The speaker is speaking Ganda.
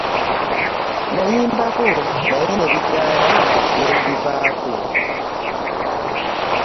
Nayimbako naye ne bigaana ne mbivaako.